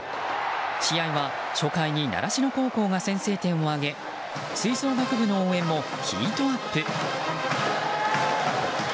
試合は初回に習志野高校が先制点を挙げ吹奏楽部の応援もヒートアップ。